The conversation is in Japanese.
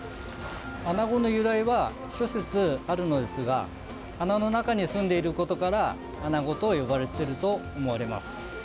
アナゴの由来は諸説あるのですが穴の中にすんでいることからアナゴと呼ばれていると思われます。